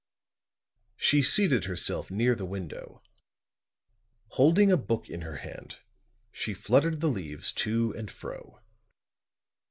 She seated herself near the window; holding a book in her hand, she fluttered the leaves to and fro.